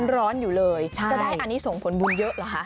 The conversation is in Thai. ร้อนอยู่เลยจะได้อันนี้ส่งผลบุญเยอะเหรอคะ